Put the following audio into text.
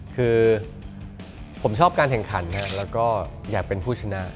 คือผมชอบการแข่งขันแล้วก็อยากเป็นผู้ชนะ